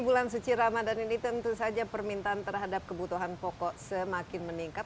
bulan suci ramadan ini tentu saja permintaan terhadap kebutuhan pokok semakin meningkat